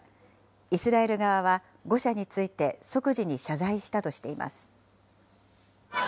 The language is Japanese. イスラエル側は誤射について即時に謝罪したとしています。